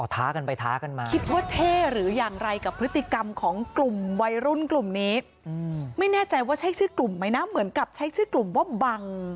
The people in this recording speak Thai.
ท้ากันไปท้ากันมา